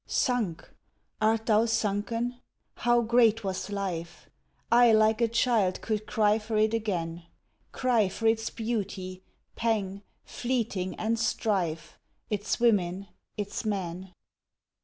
Sunk? art thou sunken? how great was life! I like a child could cry for it again Cry for its beauty, pang, fleeting and strife, Its women, its men!